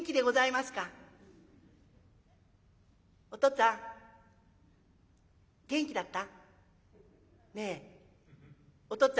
っつぁん元気だったの？